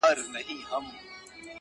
ستا دپښو سپين پايزيبونه زما بدن خوري.